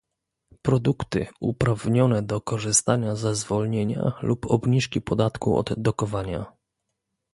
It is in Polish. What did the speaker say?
Produkty uprawnione do korzystania ze zwolnienia lub obniżki podatku od dokowania